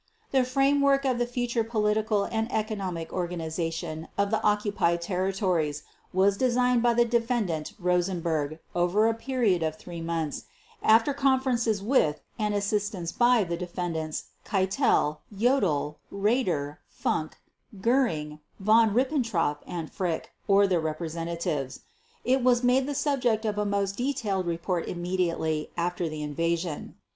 The framework of the future political and economic organization of the occupied territories was designed by the Defendant Rosenberg over a period of three months, after conferences with and assistance by the Defendants, Keitel, Jodl, Raeder, Funk, Göring, Von Ribbentrop, and Frick, or their representatives. It was made the subject of a most detailed report immediately after the invasion.